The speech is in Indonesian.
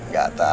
gak tahu nis